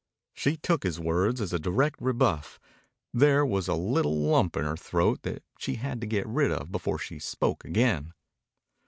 She took his words as a direct rebuff. There was a little lump in her throat that she had to get rid of before she spoke again.